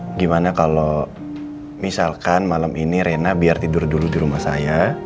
bagaimana kalau misalkan malam ini rena biar tidur dulu di rumah saya